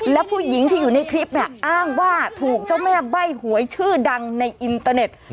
และผู้หญิงที่อยู่ในคลิปเนี่ยอ้างว่าถูกเจ้าแม่ใบ้หวยชื่อดังในอินเตอร์เน็ต